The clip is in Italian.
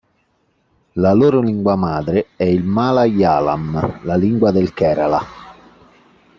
La loro lingua madre è il Malayalam, la lingua del Kerala.